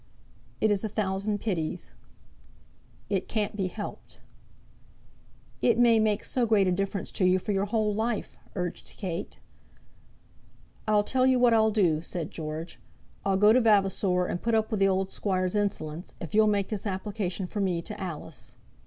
"It is a thousand pities." "It can't be helped." "It may make so great a difference to you for your whole life!" urged Kate. "I'll tell you what I'll do," said George. "I'll go to Vavasor and put up with the old squire's insolence, if you'll make this application for me to Alice."